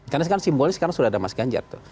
karena simbolis sekarang sudah ada mas ganjar